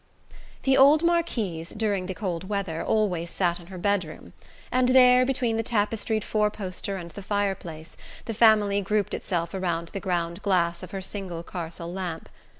The old Marquise, during the cold weather, always sat in her bedroom; and there, between the tapestried four poster and the fireplace, the family grouped itself around the ground glass of her single carcel lamp.